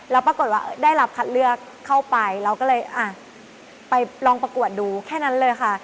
แล้วปรากฏว่าได้รับคัดเลือกเข้าไปเราก็เลยอ่ะไปลองประกวดดูแค่นั้นเลยค่ะ